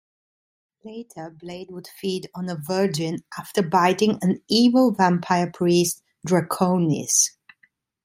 Later, Blade would feed on a virgin after biting an evil vampire priest, Draconis.